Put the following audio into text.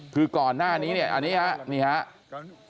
คือก่อนหน้านี้อันนี้ครับ